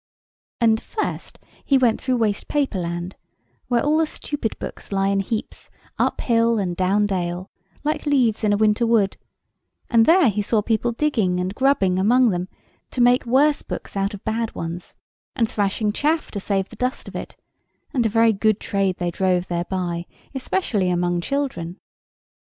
And first he went through Waste paper land, where all the stupid books lie in heaps, up hill and down dale, like leaves in a winter wood; and there he saw people digging and grubbing among them, to make worse books out of bad ones, and thrashing chaff to save the dust of it; and a very good trade they drove thereby, especially among children.